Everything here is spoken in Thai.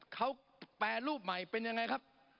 เขาแปรรูปใหม่เป็นยังไงครับ